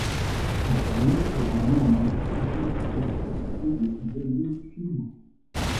Ce dernier pourra néanmoins compter sur l'efficacité de ses alliés chinois.